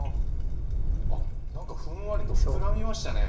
なんかふんわりと膨らみましたね。